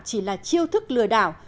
chỉ là chiêu thức lừa đảo